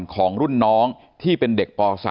ของรุ่นน้องที่เป็นเด็กป๓